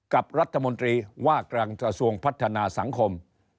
กับรัฐมนตรีว่าการกระทรวงพัฒนาสังคม